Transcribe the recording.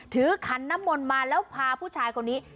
ขันน้ำมนต์มาแล้วพาผู้ชายคนนี้